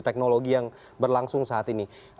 teknologi yang berlangsung saat ini